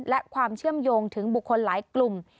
และความเชื่อมโยงถึงบุคคลหลายกลุ่ม